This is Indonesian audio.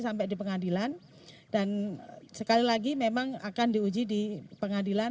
sampai di pengadilan dan sekali lagi memang akan diuji di pengadilan